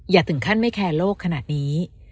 อย่าถึงขั้นไม่แคร์โลกขนาดนี้